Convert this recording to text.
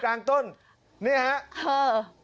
กลางต้นนี่แหละ